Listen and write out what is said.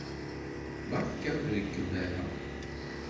Beṛka ur reggem ara!